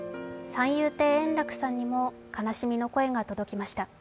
三遊亭円楽さんにも悲しみの声が届きました。